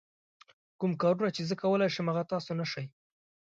کوم کارونه چې زه کولای شم هغه تاسو نه شئ.